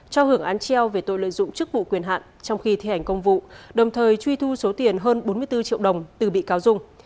cho hưởng án treo về tội lợi dụng chức vụ quyền hạn trong khi thi hành công vụ đồng thời truy thu số tiền hơn bốn mươi bốn triệu đồng từ bị cáo dung